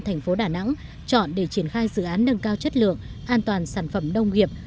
thành phố đà nẵng chọn để triển khai dự án nâng cao chất lượng an toàn sản phẩm nông nghiệp